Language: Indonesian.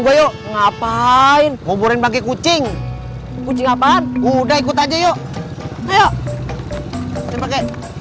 buat ngapain ngobrolin bagi kucing kucing apaan udah ikut aja yuk